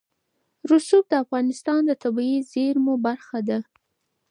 رسوب د افغانستان د طبیعي زیرمو برخه ده.